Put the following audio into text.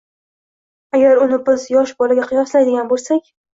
Agar uni biz yosh bolaga qiyoslaydigan bo‘lsak